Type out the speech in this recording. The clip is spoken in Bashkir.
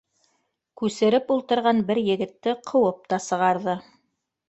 Күсереп ултырған бер егетте ҡыуып та сығарҙы.